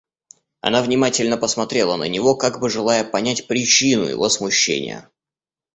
Она внимательно посмотрела на него, как бы желая понять причину его смущения.